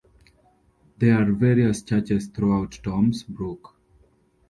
There are various churches throughout Toms Brook.